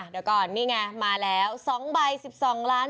เดี๋ยวก่อนนี่ไงมาแล้ว๒ใบ๑๒ล้าน